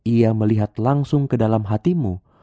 ia melihat langsung ke dalam hatimu